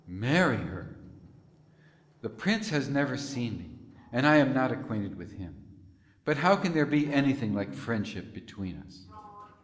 Marry her! "The Prince has never seen me, and I am not acquainted with him; how can there be anything like friendship between us?